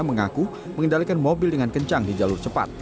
mengaku mengendalikan mobil dengan kencang di jalur cepat